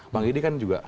pak gedi kan juga